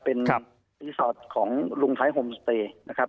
เป็นรีสอร์ทของลุงไทยโฮมสเตย์นะครับ